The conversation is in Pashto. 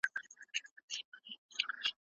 د خرڅلایو بازار کې شیدې ډېری ارځانه دی.